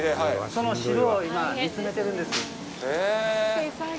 その汁を、今煮詰めてるんです。